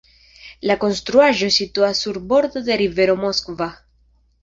La konstruaĵo situas sur bordo de rivero Moskva.